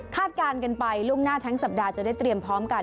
การกันไปล่วงหน้าทั้งสัปดาห์จะได้เตรียมพร้อมกัน